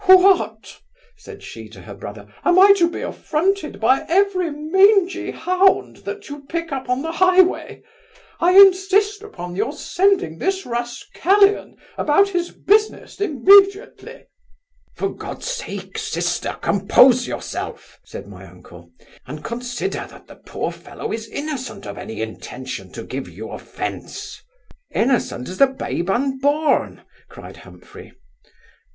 'What! (said she to her brother) am I to be affronted by every mangy hound that you pick up on the highway? I insist upon your sending this rascallion about his business immediately' 'For God's sake, sister, compose yourself (said my uncle) and consider that the poor fellow is innocent of any intention to give you offence' 'Innocent as the babe unborn' (cried Humphry).